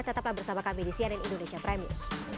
tetaplah bersama kami di cnn indonesia premium